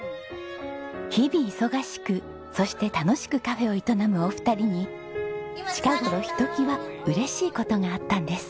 日々忙しくそして楽しくカフェを営むお二人に近頃ひときわ嬉しい事があったんです。